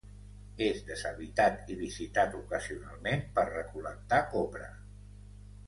És deshabitat i visitat ocasionalment per recol·lectar copra.